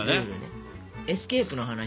エスケープの話する？